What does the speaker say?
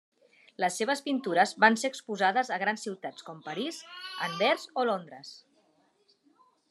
Les seves pintures van ser exposades a grans ciutats, com París, Anvers o Londres.